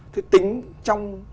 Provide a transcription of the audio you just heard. thế tính trong